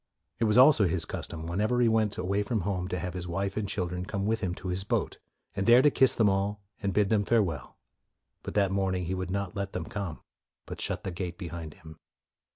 It was also his custom, whenever he went away from home, to have his wife and children come with him to his boat, and there to kiss them all and bid them farewell; but that morning he would not let them come, but shut the gate behind him.